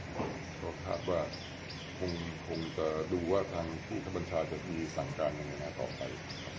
ผมถามว่าคงจะดูว่าทางผู้ขัดบัญชาจะมีสั่งการอย่างงานต่อไป